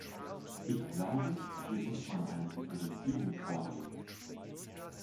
Ich glaube, hier muss man eine Differenzierung vornehmen.